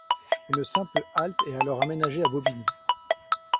Une simple halte est alors aménagée à Bobigny.